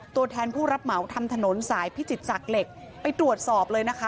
ตัวแทนผู้รับเหมาทำถนนสายพิจิตรศักดิ์เหล็กไปตรวจสอบเลยนะคะ